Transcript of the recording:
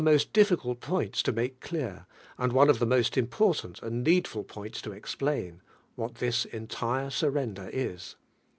most difficult points to make clear, and one of the most Important and needful points to explain—what this entire sur render is.